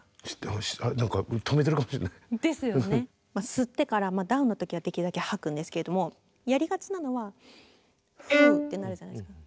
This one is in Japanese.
吸ってからダウンの時はできるだけはくんですけれどもやりがちなのはフーッてなるじゃないですか。